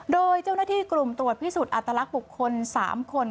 โดยเจ้าหน้าที่กลุ่มตรวจพิสูจน์อัตลักษณ์บุคคล๓คน